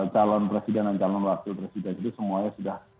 calon presiden dan calon wakil presiden itu semuanya sudah